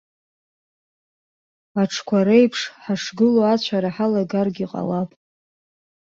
Аҽқәа реиԥш, ҳашгылоу ацәара ҳалагаргьы ҟалап.